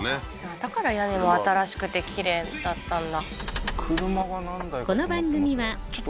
だから屋根も新しくてきれいだったんだ・